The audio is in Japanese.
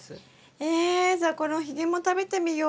えじゃあこのひげも食べてみよう。